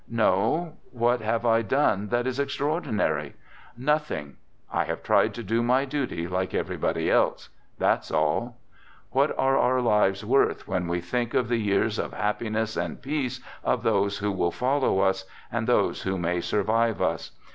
No. What have I done that is extraor dinary? Nothing. I have tried to do my duty like everybody else. That's all. ... What are our lives worth when we think of the years of happiness and peace of those who will follow us and those who may survive us.